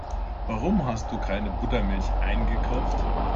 Warum hast du keine Buttermilch eingekauft?